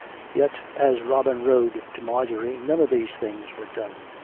Yet, as Robin rode to Marjorie none of these things were done.